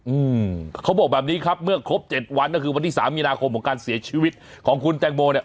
อืมเขาบอกแบบนี้ครับเมื่อครบเจ็ดวันก็คือวันที่สามมีนาคมของการเสียชีวิตของคุณแตงโมเนี่ย